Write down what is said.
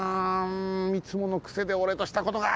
んいつものくせでおれとしたことが！